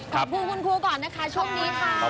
ขอบคุณคุณครูก่อนนะคะโชคดีค่ะ